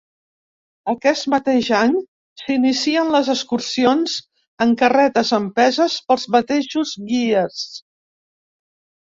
Aquest mateix any s'inicien les excursions en carretes empeses pels mateixos guies.